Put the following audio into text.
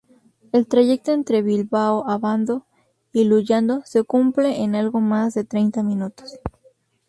El trayecto entre Bilbao-Abando y Luyando se cumple en algo más de treinta minutos.